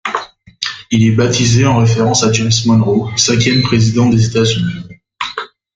Il est baptisé en référence à James Monroe, cinquième président des États-Unis.